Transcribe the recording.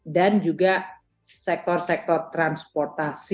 dan juga sektor sektor transportasi